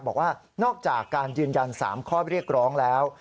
บอกว่านอกจากการยืนยัน๓ข้อเรียกร้องแล้ว